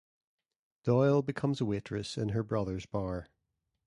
Doyle becomes a waitress in her brother's bar.